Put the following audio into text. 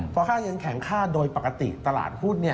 พอค่าเงินแข็งค่าโดยปกติตลาดหุ้น